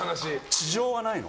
地上はないの？